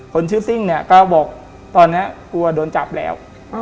คนชื่อซิ่งเนี่ยก็บอกตอนนี้กลัวโดนจับแล้ว